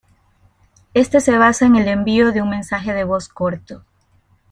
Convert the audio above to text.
Este se basa en el envío de un mensaje de voz corto.